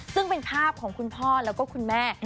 ซึ่งเป็นภาพของคุณพ่อแล้วก็คุณแม่